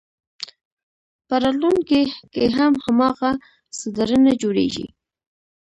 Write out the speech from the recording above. په راتلونکي کې هم هماغه څه درنه جوړېږي.